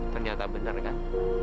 ternyata benar kan